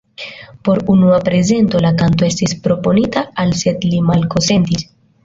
Por unua prezento la kanto estis proponita al sed li malkonsentis.